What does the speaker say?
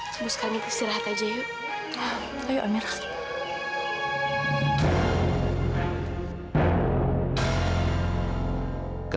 terus sekali istirahat aja yuk